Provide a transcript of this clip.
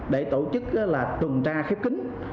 để tổ chức là tuần tra khép kính